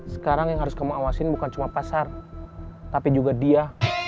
sekarang yang harus kamu awasin bukan cuma pasar tapi juga dia